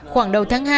khoảng đầu tháng hai